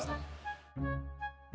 assalamualaikum pak jody